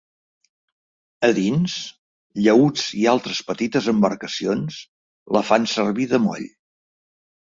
A dins, llaüts i altres petites embarcacions la fan servir de moll.